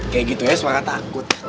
kayak gitu ya suara takut